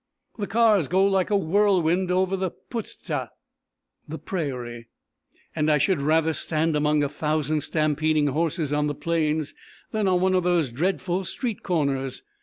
The cars go like a whirlwind over the Puszta (prairie) and I should rather stand among a thousand stampeding horses on the plains, than on one of those dreadful street corners.